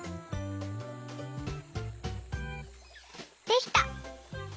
できた！